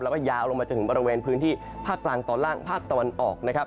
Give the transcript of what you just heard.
แล้วก็ยาวลงมาจนถึงบริเวณพื้นที่ภาคกลางตอนล่างภาคตะวันออกนะครับ